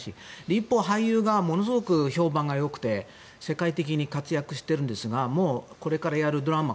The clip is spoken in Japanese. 一方、俳優がものすごく評判がよくて世界的に活躍しているんですがこれからやるドラマ